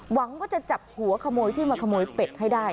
หวังว่าจะจับหัวขโมยที่มาขโมยเป็ดให้ได้